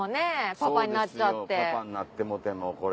パパになってもうてもうこれ。